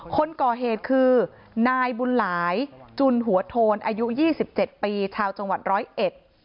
คนก่อเหตุคือนายบุญหลายจุนหัวโทนอายุ๒๗ปีชาวจังหวัด๑๐๑